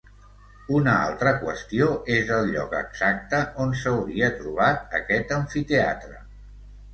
Una altra qüestió és el lloc exacte on s'hauria trobat aquest amfiteatre.